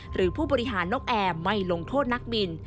หรือผู้บริหารนกแอร์ไม่ลงโทษนักบิน